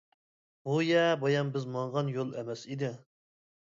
بۇ يە بايام بىز ماڭغان يول ئەمەس ئىدى.